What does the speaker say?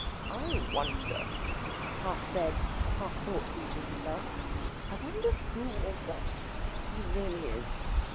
"I wonder," half said, half thought he to himself, "I wonder who or what he really is?...